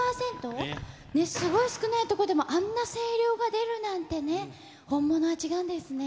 すごい少なくとこでも、あんな声量が出るなんてね、本物は違うんですね。